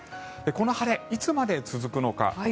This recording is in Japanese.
この晴れ、いつまで続くのか。